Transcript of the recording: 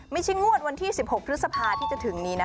ไม่ใช่งวดวันที่๑๖พฤษภาที่จะถึงนี้นะ